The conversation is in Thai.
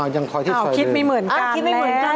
อ๋อยังคอยที่ซอยเดิมอ๋อคิดไม่เหมือนกันแล้วอ๋อคิดไม่เหมือนกันแล้ว